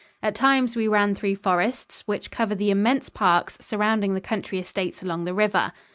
At times we ran through forests, which cover the immense parks surrounding the country estates along the river.